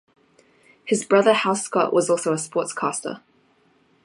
His brother Hal Scott was also a sportscaster.